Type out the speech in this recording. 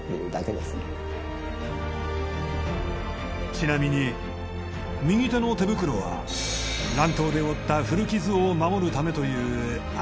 ちなみに右手の手袋は乱闘で負った古傷を守るためという荒くれぶり。